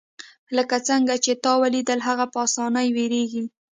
لکه څنګه چې تا ولیدل هغه په اسانۍ ویریږي